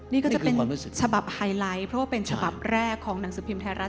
นี่ก็จะเป็นฉบับไฮไลท์เพราะว่าเป็นฉบับแรกของหนังสือพิมพ์ไทยรัฐ